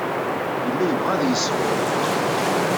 Yella yebɣa ad iyi-yesbuṛṛef.